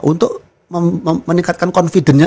untuk meningkatkan confidence nya